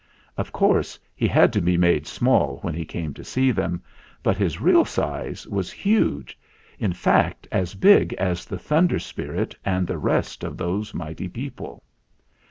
Of course he had to be made small when he came to see them, but his real size was huge in fact, as big as the Thunder Spirit and the rest of those mighty people.